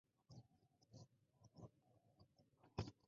Fue autor de la marcha Mi bandera.